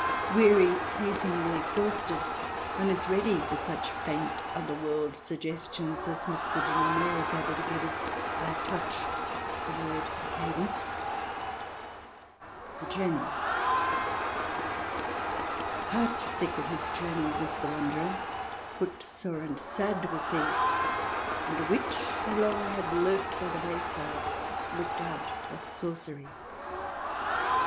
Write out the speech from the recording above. Weary, pleasingly ex hausted, one is ready for such faint otherworld suggestions as Mr. de la Mare is able to give us by a touch, a word, a cadence : THE JOURNEY " Heart sick of his journey was the Wanderer ; Footsore and sad was he ; And a Witch who long had lurked by the wayside, Looked out of sorcery.